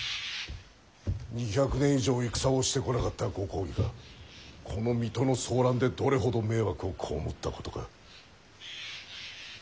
２００年以上戦をしてこなかったご公儀がこの水戸の騒乱でどれほど迷惑を被ったことか。